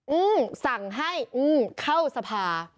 อืมสั่งให้อืมเข้าสภา